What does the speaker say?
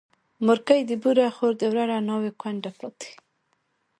مورکۍ دي بوره، خور دي وراره، ناوې کونډه پاته